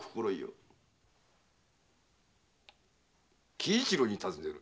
喜一郎に尋ねる。